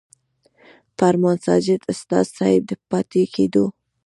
فرمان ساجد استاذ صېب د پاتې کېدو